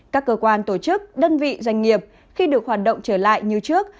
các cơ quan tổ chức đơn vị doanh nghiệp khi được hoạt động trở lại như trước